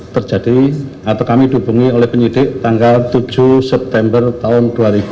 terjadi atau kami dihubungi oleh penyidik tanggal tujuh september tahun dua ribu dua puluh